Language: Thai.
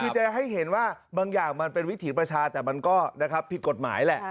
คือจะให้เห็นว่าบางอย่างมันเป็นวิถีประชาแต่มันก็ผิดกฎหมายแหละ